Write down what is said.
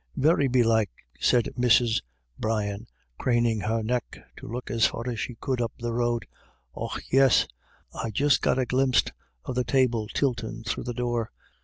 " Very belike," said Mrs. Brian, craning her neck to look as far as she could up the road. "Och, yis ; I just got a glimst of the table tiltin' through the door.